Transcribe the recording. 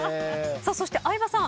そして相葉さん。